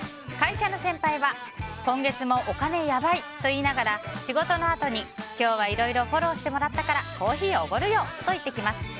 会社の先輩は、今月もお金やばいと言いながら仕事のあとに今日はいろいろフォローしてもらったからコーヒーおごるよと言ってきます。